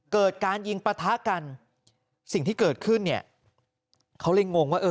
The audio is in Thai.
เกิดการยิงประทะกันสิ่งที่เกิดขึ้นเขาเลยงงว่า